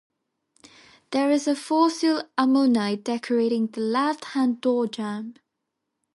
There is a fossil ammonite decorating the left-hand doorjamb.